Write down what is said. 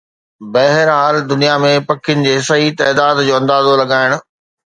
بهرحال، دنيا ۾ پکين جي صحيح تعداد جو اندازو لڳائڻ